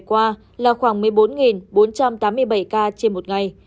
hôm qua là khoảng một mươi bốn bốn trăm tám mươi bảy ca trên một ngày